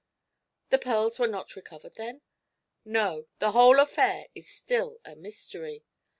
"The pearls were not recovered, then?" "No. The whole affair is still a mystery.